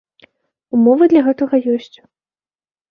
Умовы для гэтага ёсць.